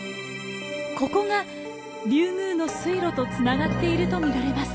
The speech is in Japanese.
ここが竜宮の水路とつながっているとみられます。